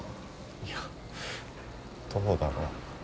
いやどうだろ。